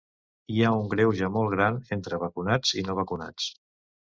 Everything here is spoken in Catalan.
Hi ha un greuge molt gran entre vacunats i no vacunats.